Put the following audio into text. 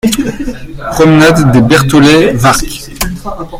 Promenade des Bertholet, Warcq